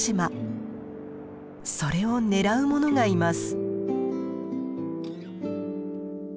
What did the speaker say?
それを狙うものがいます。